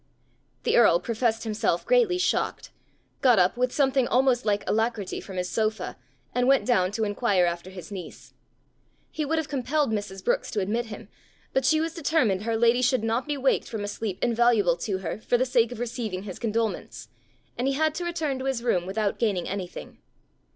The earl professed himself greatly shocked, got up with something almost like alacrity from his sofa, and went down to inquire after his niece. He would have compelled Mrs. Brookes to admit him, but she was determined her lady should not be waked from a sleep invaluable to her, for the sake of receiving his condolements, and he had to return to his room without gaining anything.